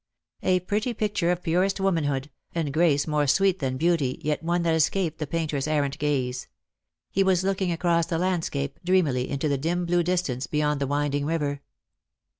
A pretty picture of purest womanhood, and grace more sweet than beauty, yet one that escaped the painter's errant gaze. He was; looking across the landscape, dreamily, into the dim blue dis tance beyond the winding river.